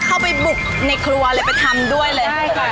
เข้าไปบุกในครัวเลยไปทำด้วยเลย